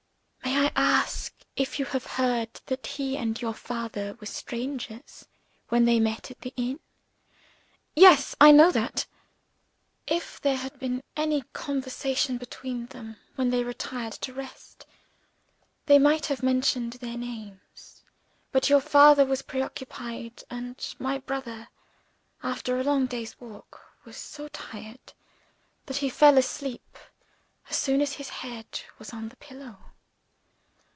May I ask if you have heard that he and your father were strangers, when they met at the inn?" "Yes; I know that." "If there had been any conversation between them, when they retired to rest, they might have mentioned their names. But your father was preoccupied; and my brother, after a long day's walk, was so tired that he fell asleep as soon as his head was on the pillow.